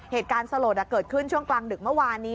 เหตุการณ์สลดเกิดขึ้นช่วงกลางดึกเมื่อวานนี้